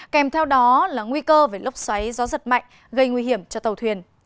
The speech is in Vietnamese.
kèm theo đó là nguy cơ về lốc xoáy gió giật mạnh gây nguy hiểm cho tàu thuyền